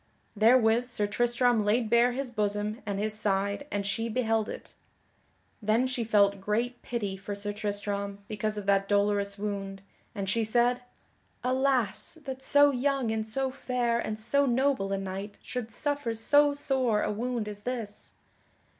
Therewith Sir Tristram laid bare his bosom and his side and she beheld it. Then she felt great pity for Sir Tristram because of that dolorous wound, and she said: "Alas, that so young and so fair and so noble a knight should suffer so sore a wound as this!"